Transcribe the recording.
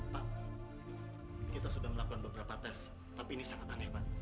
pak kita sudah melakukan beberapa tes tapi ini sangat aneh pak